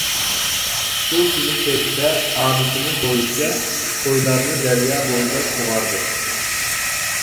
شۇ كۈنى كەچتە ئادىتىمىز بويىچە قويلارنى دەريا بويىدا سۇغاردۇق.